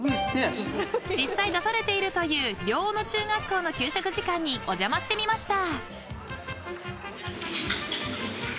［実際出されているという両小野中学校の給食時間にお邪魔してみました］